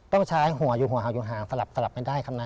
ต้องใช้หัวอยู่หัวเห่าอยู่ห่างสลับกันได้ครับนะ